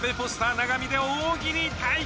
―永見で大喜利対決。